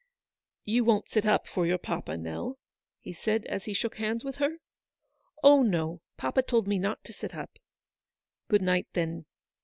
"You won't sit up for your papa, Nell," he said, as he shook hands with her. " Oh, no, papa told me not to sit up." " Good night, then.